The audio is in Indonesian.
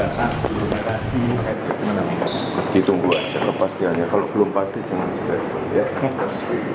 sebelumnya dalam rapat kerja pada legislasi dpr